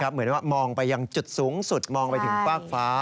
เหมือนว่ามองไปยังจุดสูงสุดมองไปถึงฟากฟ้า